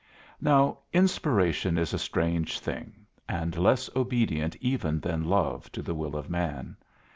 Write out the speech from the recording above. Now, inspiration is a strange thing, and less obedient even than love to the will of man.